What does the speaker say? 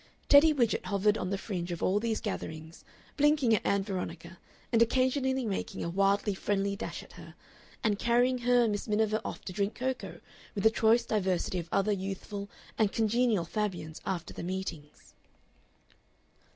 Teddy Widgett hovered on the fringe of all these gatherings, blinking at Ann Veronica and occasionally making a wildly friendly dash at her, and carrying her and Miss Miniver off to drink cocoa with a choice diversity of other youthful and congenial Fabians after the meetings.